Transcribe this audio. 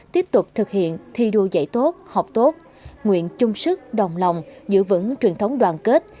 tiếp tục thực hiện thi đua dạy tốt học tốt nguyện chung sức đồng lòng giữ vững truyền thống đoàn kết